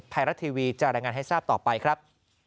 ไทยรัฐทีวีจะรายงานให้ทราบต่อไปครับ